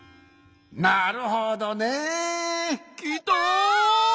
なるほどね。きた！